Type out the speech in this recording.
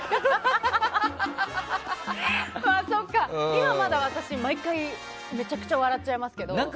今、まだ私、毎回めちゃくちゃ笑っちゃいますけど。